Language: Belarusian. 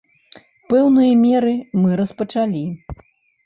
Пэўныя меры мы распачалі.